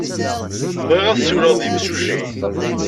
Bɣiɣ ad ssiwleɣ ed yimsujji.